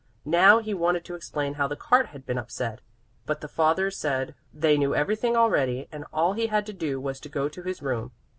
Now he wanted to explain how the cart had been upset, but the father said they knew everything already, and all he had to do was to go to his room.